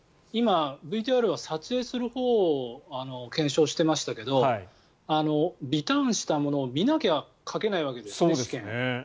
今、ＶＴＲは撮影する方法を検証していましたけどリターンしたものを見なきゃ書けないわけですね。